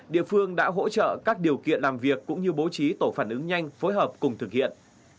địa phương đã hỗ trợ các điều kiện làm việc cũng như bố trí tổ phản ứng nhanh phối hợp cùng thực hiện